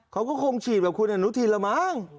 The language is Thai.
เขาก็คงฉีดแบบคุณอนุทินแล้วมั้ง